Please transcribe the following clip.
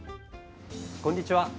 こんにちは。